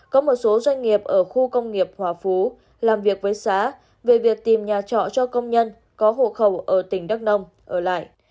có một số doanh nghiệp ở khu công nghiệp hòa phú làm việc với xã về việc tìm nhà trọ cho công nhân có hộ khẩu ở tỉnh đắk nông ở lại